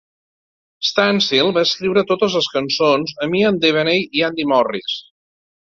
Stansfield va escriure totes les cançons amb Ian Devaney i Andy Morris.